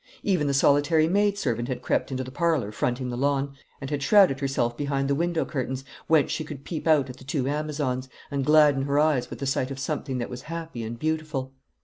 Even the solitary maid servant had crept into the parlour fronting the lawn, and had shrouded herself behind the window curtains, whence she could peep out at the two Amazons, and gladden her eyes with the sight of something that was happy and beautiful.